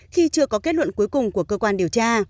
khi chưa có kết luận cuối cùng của cơ quan điều tra